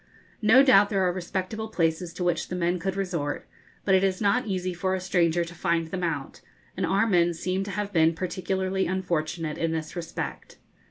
No doubt there are respectable places to which the men could resort, but it is not easy for a stranger to find them out, and our men seem to have been particularly unfortunate in this respect.